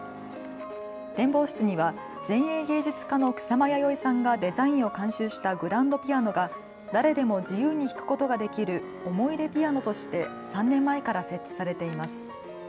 展望室には前衛芸術家の草間彌生さんがデザインを監修したグランドピアノが誰でも自由に弾くことができるおもいでピアノとして３年前から設置されています。